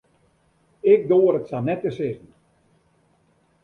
Ik doar it sa net te sizzen.